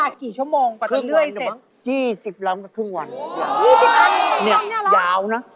๒๐อันนี้เหรอครับเนี่ยยาวนะ